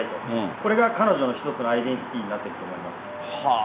これが彼女の一つのアイデンティティーになってると思います。